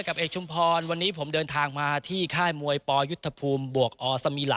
กับเอกุร์นชุมพรวันนี้ผมเดินทางมาที่ค่ายมวยปอยุทธภูมิ